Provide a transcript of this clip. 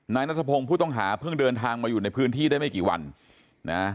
นายนัทพงศ์ผู้ต้องหาเพิ่งเดินทางมาอยู่ในพื้นที่ได้ไม่กี่วันนะ